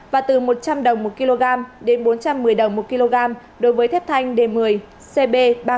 và từ một trăm linh đồng một kg đến bốn trăm một mươi đồng một kg đối với thép thanh d một mươi cb ba trăm bốn mươi